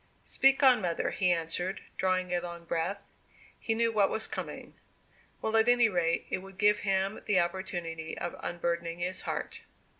"Speak on, mother," he answered, drawing a long breath. He knew what was coming. Well, at any rate it would give him the opportunity of unburdening his heart.